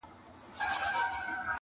• دومره بیدار او هوښیار سي -